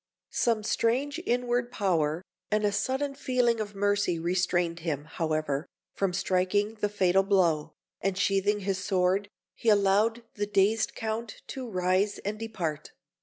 Some strange inward power, and a sudden feeling of mercy, restrained him, however, from striking the fatal blow, and, sheathing his sword, he allowed the dazed Count to rise and depart.